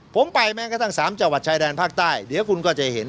ผมไปแม้กระทั่ง๓จังหวัดชายแดนภาคใต้เดี๋ยวคุณก็จะเห็น